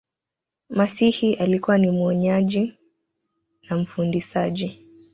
masihi alikuwa ni muonyaji na mfundisaji